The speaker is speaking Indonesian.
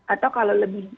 atau kalau lebih